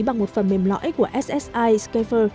bằng một phần mềm lõi của ssi scaver